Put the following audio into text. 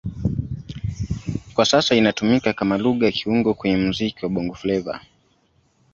Kwa sasa inatumika kama Lugha ya kiungo kwenye muziki wa Bongo Flava.